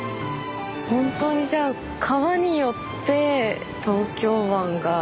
本当にじゃあ川によって東京湾が。